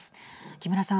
木村さん。